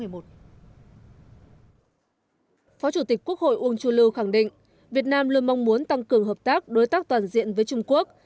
phó chủ tịch quốc hội uông chu lưu khẳng định việt nam luôn mong muốn tăng cường hợp tác đối tác toàn diện với trung quốc